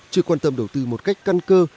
chưa quan tâm đầu tư một cách căn cơ